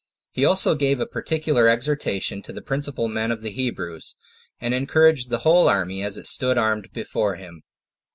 He also gave a particular exhortation to the principal men of the Hebrews, and encouraged the whole army as it stood armed before him.